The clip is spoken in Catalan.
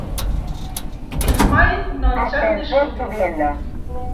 I mai no ens hem discutit.